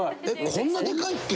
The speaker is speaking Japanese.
こんなデカいっけ？